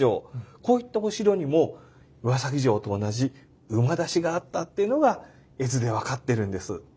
こういったお城にも岩崎城と同じ馬出しがあったっていうのが絵図で分かってるんです。